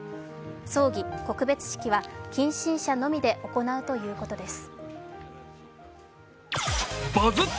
葬儀、告別式は近親者のみで行うということです。